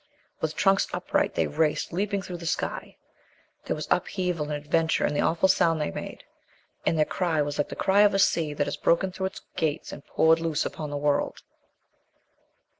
With trunks upright they raced leaping through the sky. There was upheaval and adventure in the awful sound they made, and their cry was like the cry of a sea that has broken through its gates and poured loose upon the world....